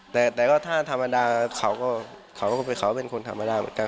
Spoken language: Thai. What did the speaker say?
แต่ก็ถ้าธรรมดาเขาก็เขาเป็นคนธรรมดาเหมือนกัน